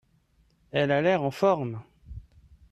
Elle a l'air en forme.